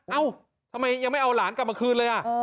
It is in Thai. เอ้าทำไมยังไม่เอาหลานกลับมาคืนเลย